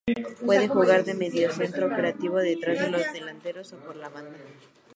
Puede jugar de mediocentro creativo, detrás de los delanteros o por la banda.